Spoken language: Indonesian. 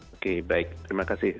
oke baik terima kasih